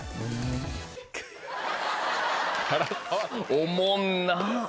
おもんなっ！